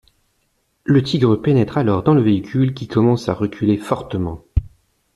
Le tigre pénètre alors dans le véhicule qui commence à reculer fortement.